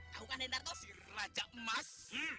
tahu kan hendarto si raja emas